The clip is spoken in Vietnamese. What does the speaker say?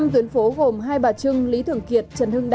năm tuyến phố gồm hai bà trưng lý thường kiệt trần hưng đạo